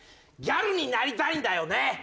ギャルになりたいんだよね。